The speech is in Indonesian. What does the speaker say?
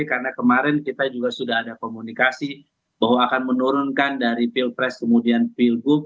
karena kemarin kita juga sudah ada komunikasi bahwa akan menurunkan dari pilpres kemudian pilgub